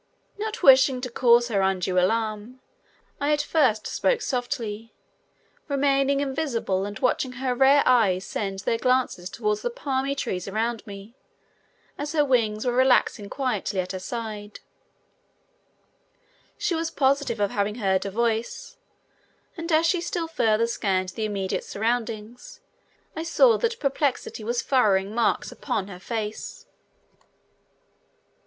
Not wishing to cause her undue alarm, I at first spoke softly, remaining invisible and watching her rare eyes send their glances toward the palmy trees around me, as her wings were relaxing quietly at her side. She was positive of having heard a voice, and as she still further scanned the immediate surroundings I saw that perplexity was furrowing marks upon her face. [Illustration: Beautiful Plume on the World of Swift.